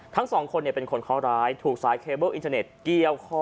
ทั้งสองคนเป็นคนเคาะร้ายถูกสายเคเบิ้ลอินเทอร์เน็ตเกี่ยวคอ